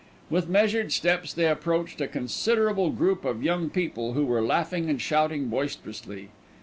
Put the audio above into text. With measured steps they approached a considerable group of young people who were laughing and shouting boisterously.